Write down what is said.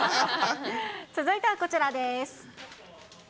続いてはこちらです。